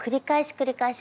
繰り返し。